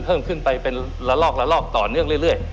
เพิ่มขึ้นไปเป็นละลอกละลอกต่อเนื่องเรื่อย